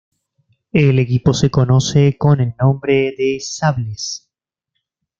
El equipo se conoce con el nombre de Sables.